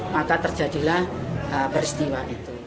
maka terjadilah peristiwa